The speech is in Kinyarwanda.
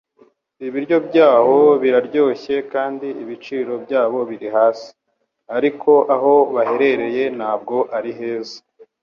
Ibiryo byaho biraryoshye kandi ibiciro byabo biri hasi. Ariko, aho baherereye ntabwo ari heza.